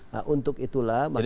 nah untuk itulah makanya